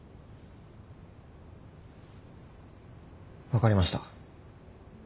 分かりました。